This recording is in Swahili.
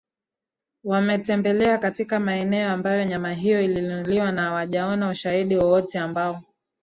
wametembelea katika maeneo ambayo nyama hiyo ilinunuliwa na hawajaona ushahidi wowote ambao